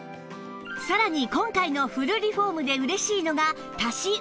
さらに今回のフルリフォームで嬉しいのが足し羽毛